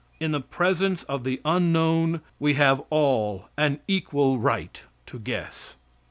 In the presence of the unknown we have all an equal right to guess.